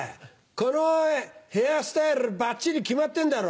このヘアスタイルばっちり決まってんだろ。